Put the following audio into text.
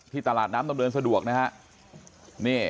ตลาดน้ำดำเนินสะดวกนะฮะ